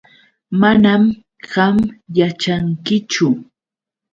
Manam qam yaćhankichu.